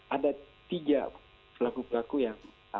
ada tiga pelaku pelaku yang